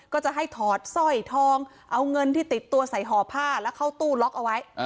ก็จะให้ถอดสร้อยทองเอาเงินที่ติดตัวใส่ห่อผ้าแล้วเข้าตู้ล็อกเอาไว้